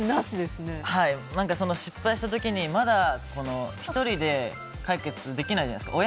失敗した時に、まだ１人で解決できないじゃないですか。